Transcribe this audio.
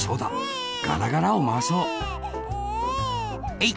えい！